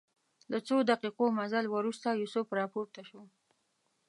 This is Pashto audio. له څو دقیقو مزل وروسته یوسف راپورته شو.